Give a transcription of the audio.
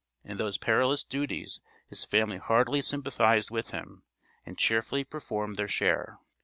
In those perilous duties his family heartily sympathized with him, and cheerfully performed their share.